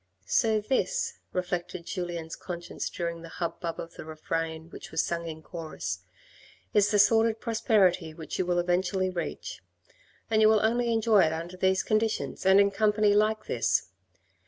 " So this," reflected Julien's conscience during the hubbub of the refrain which was sung in chorus, " is the sordid prosperity which you will eventually reach, and you will only enjoy it under these conditions and in company like this.